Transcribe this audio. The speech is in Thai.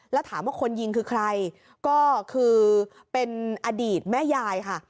แล้วถามว่าคนยิงคือใครก็คือเป็นอดีตแม่ยายค่ะ